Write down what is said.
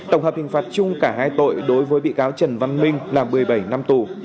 tổng hợp hình phạt chung cả hai tội đối với bị cáo trần văn minh là một mươi bảy năm tù